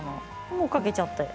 もうかけちゃって。